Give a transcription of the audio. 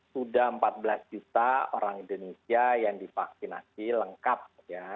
sudah empat belas juta orang indonesia yang divaksinasi lengkap ya